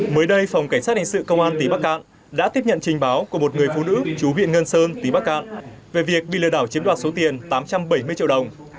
mới đây phòng cảnh sát hình sự công an tỉ bắc cạn đã tiếp nhận trình báo của một người phụ nữ chú viện ngân sơn tỉ bắc cạn về việc bị lừa đảo chiếm đoạt số tiền tám trăm bảy mươi triệu đồng